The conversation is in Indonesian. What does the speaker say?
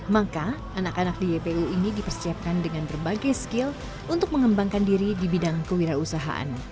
maka anak anak di ypu ini dipersiapkan dengan berbagai skill untuk mengembangkan diri di bidang kewirausahaan